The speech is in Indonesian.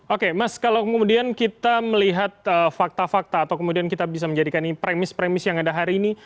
oke mas kalau kemudian kita melihat fakta fakta atau kemudian kita bisa menjadikan ini premis premis yang ada hari ini